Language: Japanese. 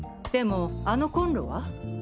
でもあのコンロは？